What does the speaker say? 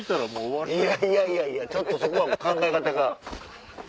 いやいやちょっとそこは考え方が。